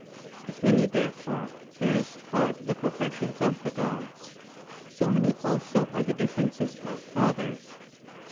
As many therefore, as are the progres¬ sions of the Gods, so many also are the differences of fathers.